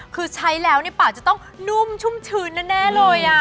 คือใช้แล้วในปากจะต้องนุ่มชุ่มชื้นแน่เลย